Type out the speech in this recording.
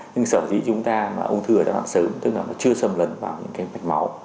nhưng sở dĩ chúng ta ung thư ở giai đoạn sớm tức là nó chưa sâm lấn vào những cái mạch máu